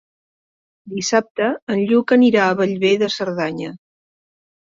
Dissabte en Lluc anirà a Bellver de Cerdanya.